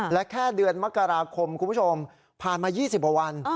และแค่เดือนมกราคมคุณผู้ชมผ่านมา๒๐กว่าวัน